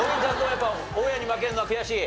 やっぱ大家に負けるのは悔しい？